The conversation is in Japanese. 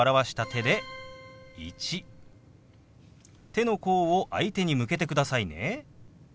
手の甲を相手に向けてくださいね。